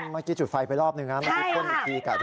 เมื่อกี้จุดไฟไปรอบหนึ่งครับ